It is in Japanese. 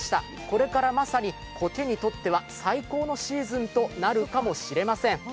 これから、まさに苔にとっては最高のシーズンとなるかもしれません。